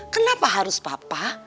kenapa harus papa